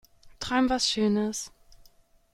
Träum was schönes.